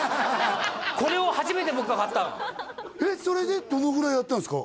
これを初めて僕が買ったそれでどのぐらいやったんですか？